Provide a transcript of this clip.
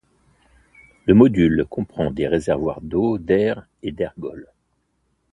Le module comprend des réservoirs d'eau, d'air et d'ergols.